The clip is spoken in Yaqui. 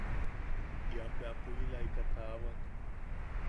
Ian bea puʼilaika taawak.